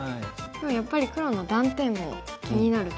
でもやっぱり黒の断点も気になるところですよね。